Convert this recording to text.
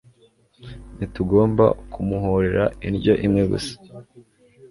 ntitugomba kumuhorera indyo imwe gusa